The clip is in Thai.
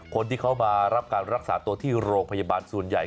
คนที่เขามารับการรักษาตัวที่โรงพยาบาลส่วนใหญ่